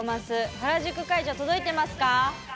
原宿会場届いてますか？